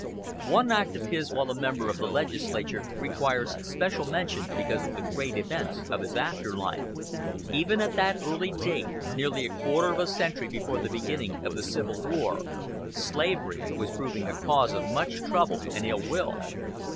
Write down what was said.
One act of his while a member of the legislature requires special mention because of the great events of his after life. Even at that early date, nearly a quarter of a century before the beginning of the Civil War, slavery was proving a cause of much trouble and ill will.